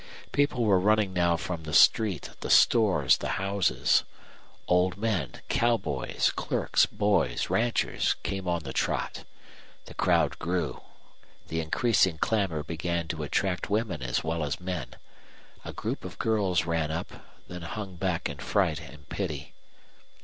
People were running now from the street, the stores, the houses. Old men, cowboys, clerks, boys, ranchers came on the trot. The crowd grew. The increasing clamor began to attract women as well as men. A group of girls ran up, then hung back in fright and pity.